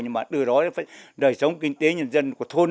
nhưng mà từ đó đời sống kinh tế nhân dân của thôn